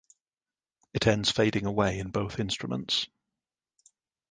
It ends fading away in both instruments.